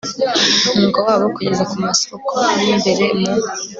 umwuga wabo kugeza ku masoko y imbere mu